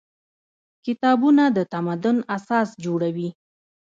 کتابونه د تمدن اساس جوړوي.